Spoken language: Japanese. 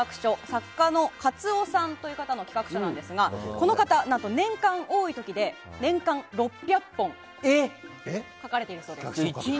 作家のカツオさんという方の企画書なんですがこの方、何と年間多い時で６００本書かれているそうです。